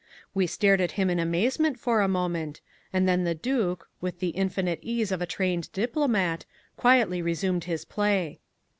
We stared at him in amazement for a moment, and then the Duc, with the infinite ease of a trained diplomat, quietly resumed his play.